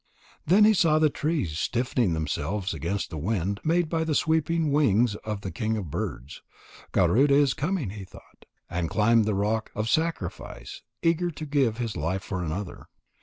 Then he saw the trees stiffening themselves against the wind made by the sweeping wings of the king of birds. "Garuda is coming," he thought, and climbed the rock of sacrifice, eager to give his life for another.